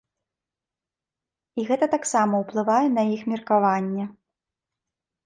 І гэта таксама ўплывае на іх меркаванне.